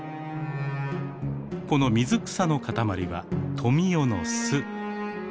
この水草の塊はトミヨの巣。